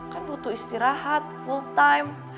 kan butuh istirahat full time